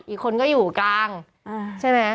อีกคนก็อยู่กลางใช่ไหม